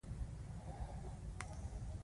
چې هر یو یې د تاریخي لرغونتوب له کبله ارزښت لري.